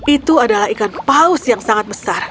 itu adalah ikan paus yang sangat besar